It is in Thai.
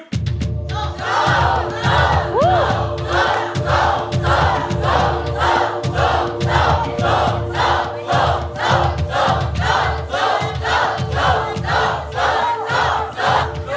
สู้สู้สู้